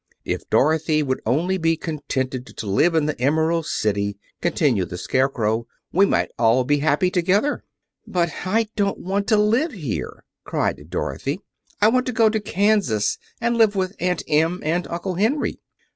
"If Dorothy would only be contented to live in the Emerald City," continued the Scarecrow, "we might all be happy together." "But I don't want to live here," cried Dorothy. "I want to go to Kansas, and live with Aunt Em and Uncle Henry."